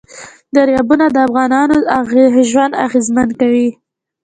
دریابونه د افغانانو ژوند اغېزمن کوي.